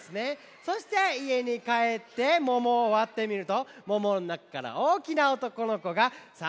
そしていえにかえってももをわってみるともものなかからおおきなおとこのこが３にんうまれました。